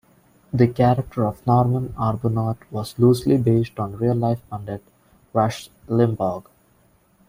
The character of Norman Arbuthnot was loosely based on real-life pundit Rush Limbaugh.